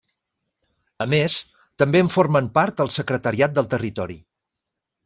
A més, també en formen part el Secretariat del Territori.